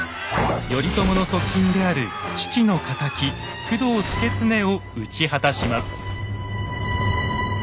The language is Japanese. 頼朝の側近である父の敵工藤祐経を討ち果たします。